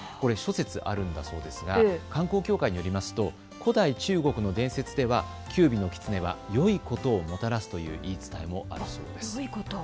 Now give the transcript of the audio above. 諸説あるんだそうですが、観光協会によりますと古代中国の伝説では九尾の狐はよいことをもたらすという言い伝えもあるそうです。